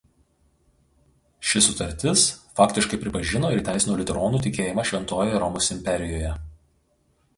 Ši sutartis faktiškai pripažino ir įteisino liuteronų tikėjimą Šventojoje Romos imperijoje.